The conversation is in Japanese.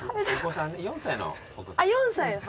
４歳のお子さん。